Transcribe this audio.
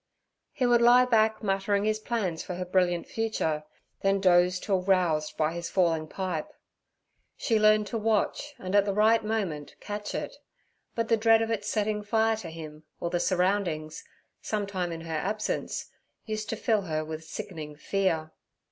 He would lie back, muttering his plans for her brilliant future, then doze till roused by his falling pipe. She learned to watch and at the right moment catch it, but the dread of its setting fire to him or the surroundings, some time in her absence, used to fill her with sickening fear.